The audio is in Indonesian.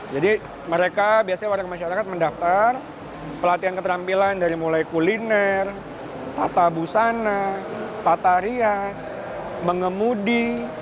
jadi mereka biasanya warga masyarakat mendaftar pelatihan keterampilan dari mulai kuliner tata busana tata rias mengemudi